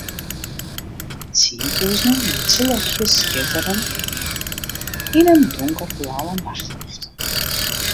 Tûzenen lytse ljochtsjes skitteren yn in donkerblauwe nachtloft.